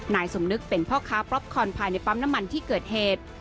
นายสมนึกเป็นพ่อค้าปล๊อปคอนภายในปั๊มน้ำมันที่เกิดเหตุ